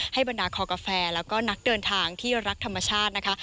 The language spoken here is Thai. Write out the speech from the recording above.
บรรดาคอกาแฟแล้วก็นักเดินทางที่รักธรรมชาตินะคะ